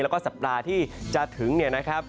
แล้วก็สัปดาห์ที่จะถึงเนี่ยนะครับ